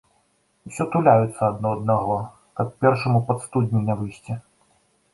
Усё туляюцца адно аднаго, каб першаму пад студню не выйсці.